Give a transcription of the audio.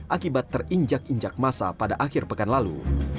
akibat terinjak injak masa pada akhir pekan lalu